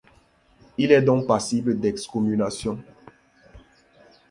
Il est donc passible d’excommunication.